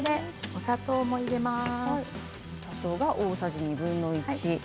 お砂糖が大さじ２分の１。